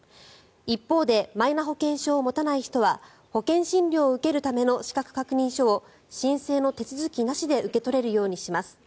一方でマイナ保険証を持たない人は保険診療を受けるための資格確認書を申請の手続きなしで受け取れるようにします。